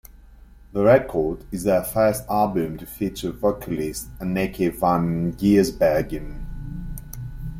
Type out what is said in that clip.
The record is their first album to feature vocalist Anneke van Giersbergen.